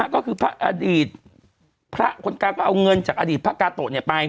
ก็คือพระอดีตพระคนกลางก็เอาเงินจากอดีตพระกาโตะไป